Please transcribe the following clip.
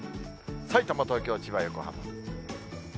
さいたま、東京、千葉、横浜。